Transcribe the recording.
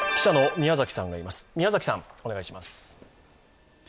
宮嵜さん、お願いします。